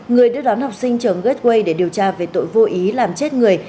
người đưa đón học sinh trường gateway để điều tra về tội vô ý làm chết người